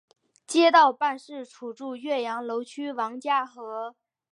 街道办事处驻岳阳楼区王家河。